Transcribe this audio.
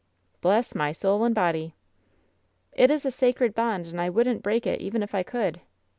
"Bless my soul and body!" "It is a sacred bond, and I wouldn't break it even if I could."